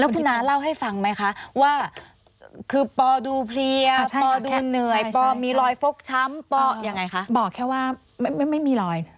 คิดสินะว่าคือปอดูเพลีย